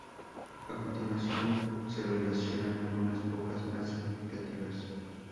A continuación se relacionan algunas pocas más significativas.